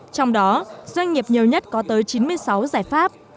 trong đó doanh nghiệp nhiều nhất có tới chín mươi sáu giải pháp